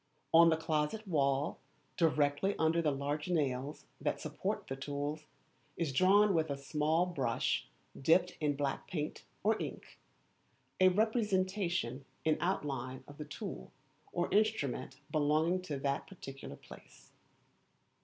On the closet wall, directly under the large nails that support the tools, is drawn with a small brush dipped in black paint or ink, a representation in outline of the tool or instrument belonging to that particular place.